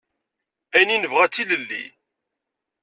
Ayen i nebɣa d tilelli.